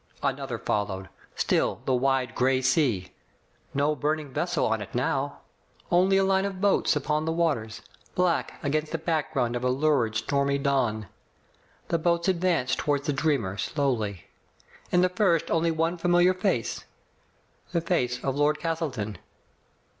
Another followed. Still the wide gray sea. No burning vessel on it now. Only a line of boats upon the waters, black against the back ground of a lurid, stormy dawn. The boats ad vanced toward the dreamer slowly. In the first only one familiar face — the face of Lord Castle ton.